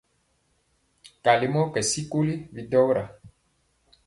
Kali mɔ kyɛwɛ sikoli bidɔra.